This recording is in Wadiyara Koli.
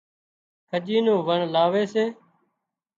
کڄي نُون واڻ لاوي سي